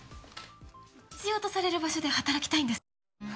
必要とされる場所で働きたいんです。